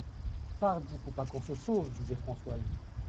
Pardi, pour pas qu’on se sauve, disait Françoise.